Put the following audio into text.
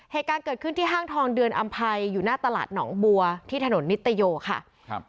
เหตุการณ์เกิดขึ้นที่ห้างทองเดือนอำภัยอยู่หน้าตลาดหนองบัวที่ถนนนิตโยค่ะครับ